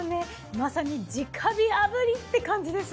まさに直火炙りって感じです。